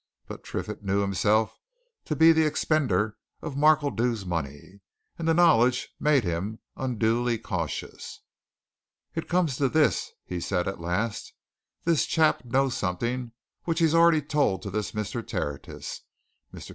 But Triffitt knew himself to be the expender of the Markledew money, and the knowledge made him unduly cautious. "It comes to this," he said at last, "this chap knows something which he's already told to this Mr. Tertius. Mr.